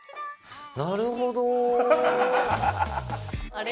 あれ？